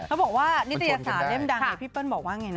เขาบอกว่านิตยสารเล่มดังพี่เปิ้ลบอกว่าไงนะ